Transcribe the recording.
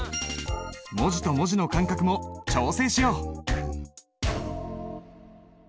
文字と文字の間隔も調整しよう！